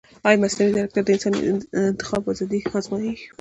ایا مصنوعي ځیرکتیا د انساني انتخاب ازادي نه ازموي؟